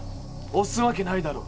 押すわけないだろ。